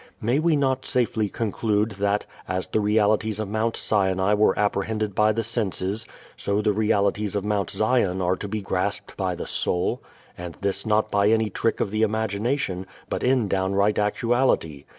May we not safely conclude that, as the realities of Mount Sinai were apprehended by the senses, so the realities of Mount Zion are to be grasped by the soul? And this not by any trick of the imagination, but in downright actuality.